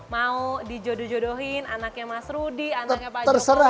mau dijodoh jodohin anaknya mas rudi anaknya pak jokowi siapa siapa terserah